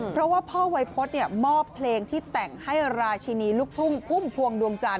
เพราะว่าพ่อวัยพศเนี่ยมอบเพลงที่แต่งให้ราชินีลุกทุ่ง